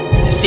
siapa di sini